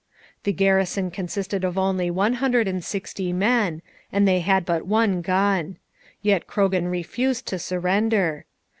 The garrison consisted of only one hundred and sixty men, and they had but one gun; yet Croghan refused to surrender.